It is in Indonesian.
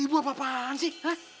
ibu apa apaan sih